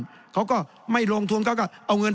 แสดงว่าความทุกข์มันไม่ได้ทุกข์เฉพาะชาวบ้านด้วยนะ